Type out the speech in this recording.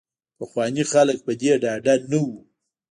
پخواني خلک په دې ډاډه نه وو.